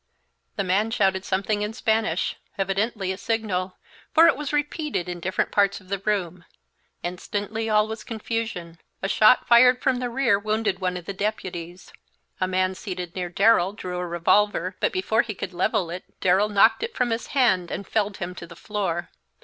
The man shouted something in Spanish, evidently a signal, for it was repeated in different parts of the room. Instantly all was confusion. A shot fired from the rear wounded one of the deputies; a man seated near Darrell drew a revolver, but before he could level it Darrell knocked it from his hand and felled him to the floor.